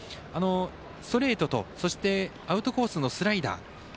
ストレートとそしてアウトコースのスライダー。